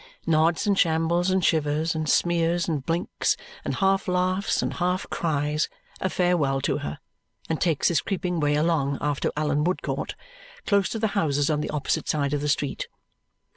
nods and shambles and shivers, and smears and blinks, and half laughs and half cries, a farewell to her, and takes his creeping way along after Allan Woodcourt, close to the houses on the opposite side of the street.